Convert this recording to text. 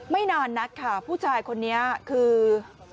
นานนักค่ะผู้ชายคนนี้คือ